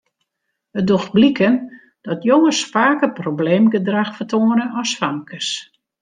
It docht bliken dat jonges faker probleemgedrach fertoane as famkes.